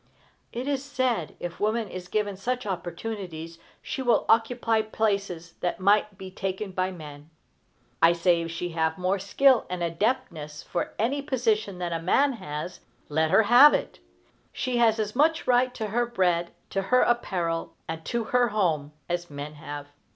It is said, if woman is given such opportunities, she will occupy places that might be taken by men. I say, if she have more skill and adaptedness for any position than a man has, let her have it! She has as much right to her bread, to her apparel, and to her home, as men have.